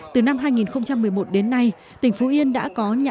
từ năm hai nghìn một mươi một đến nay tỉnh phú yên đã có nhãn hiệu